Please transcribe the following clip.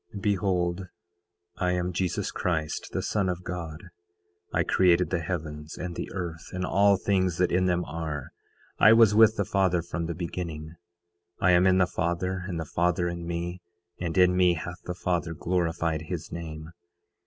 9:15 Behold, I am Jesus Christ the Son of God. I created the heavens and the earth, and all things that in them are. I was with the Father from the beginning. I am in the Father, and the Father in me; and in me hath the Father glorified his name.